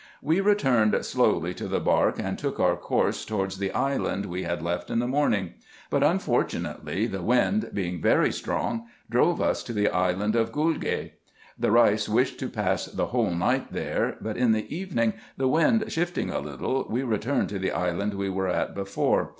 We returned slowly to the bark, and took our course towards IN EGYPT, NUBIA, &c. 91 the island we had left in the morning ; but unfortunately the wind, being very strong, drove us to the island of Gulgc. The Eeis wished to pass the whole night there ; but in the evening the wind shifting a little, we returned to the island we were at before.